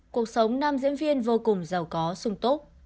cuộc sống nam diễn viên vô cùng giàu có sung tốt